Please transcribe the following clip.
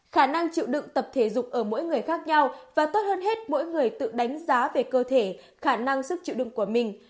khả năng chịu đựng tập thể dục ở mỗi người khác nhau và tốt hơn hết mỗi người tự đánh giá về cơ thể khả năng sức chịu đựng của mình